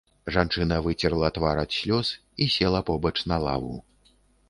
Жанчына выцерла твар ад слёз і села побач на лаву.